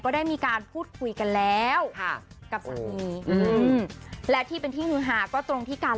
ก็ได้มีการพูดคุยกันแล้วกับสัรภีร์